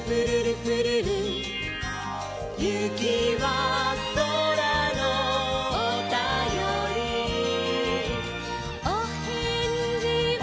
「ゆきはそらのおたより」「おへんじは」